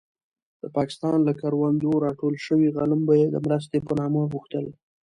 د پاکستان له کروندو راټول شوي غنم به يې د مرستې په نامه غوښتل.